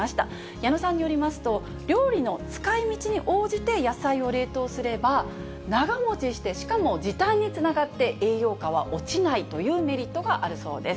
矢野さんによりますと、料理の使いみちに応じて、野菜を冷凍すれば、長もちして、しかも時短につながって、栄養価は落ちないというメリットがあるそうです。